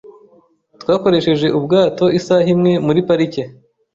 Twakoresheje ubwato isaha imwe muri parike .